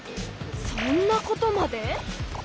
そんなことまで！